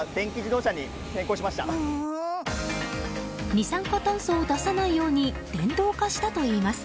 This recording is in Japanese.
二酸化炭素を出さないように電動化したといいます。